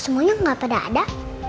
semuanya gak pada ada